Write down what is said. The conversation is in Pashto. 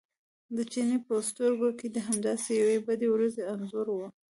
د چیني په سترګو کې د همداسې یوې بدې ورځې انځور و.